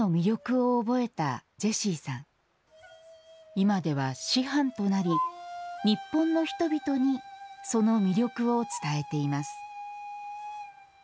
今では師範となり日本の人々にその魅力を伝えています